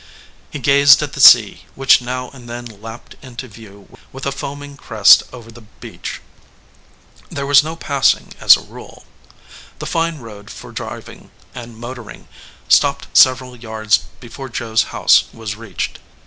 He gazed at the sea, which now and then lapped into view with a foam ing crest over the beach. There was no passing, as a rule. The fine road for driving and motoring stopped several yards before Joe s house was reached.